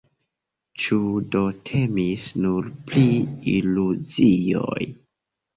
Ĉu do temis nur pri iluzioj?